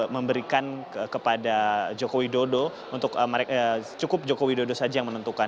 memberikan kepada jokowi dodo untuk cukup jokowi dodo saja yang menentukan